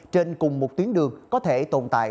trên cùng một tuyến đường có thể tồn tại